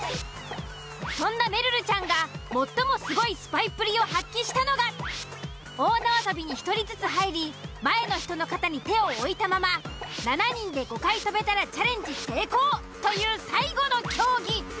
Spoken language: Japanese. そんなめるるちゃんが最もスゴいスパイっぷりを発揮したのが大縄跳びに１人ずつ入り前の人の肩に手を置いたまま７人で５回跳べたらチャレンジ成功という最後の競技。